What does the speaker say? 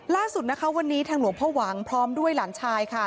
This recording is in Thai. ล่าสุดนะคะวันนี้ทางหลวงพ่อหวังพร้อมด้วยหลานชายค่ะ